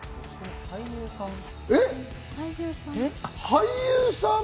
俳優さん？